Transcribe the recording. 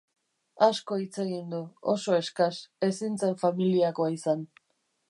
Asko hitz egin du, oso eskas, ezin zen familiakoa izan.